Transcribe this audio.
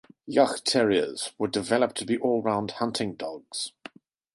Jagdterriers were developed to be all round hunting dogs.